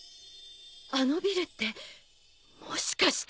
あのビルってもしかして。